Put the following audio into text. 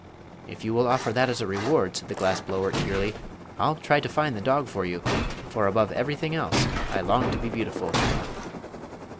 "If you will offer that as a reward," said the glass blower, eagerly, "I'll try to find the dog for you, for above everything else I long to be beautiful."